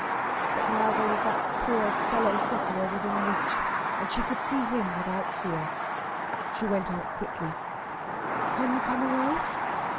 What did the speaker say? But now there was that poor fellow sufferer within reach, and she could see him without fear. She went out quickly. "Can you come away?"